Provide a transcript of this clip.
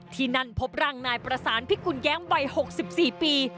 ที่นั่นพบร่างนายประสานพิกุลแย้มวัย๖๔ปี